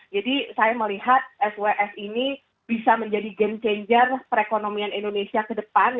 jadi saya melihat sws ini bisa menjadi game changer perekonomian indonesia ke depan